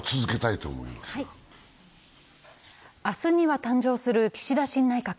明日には誕生する岸田新内閣。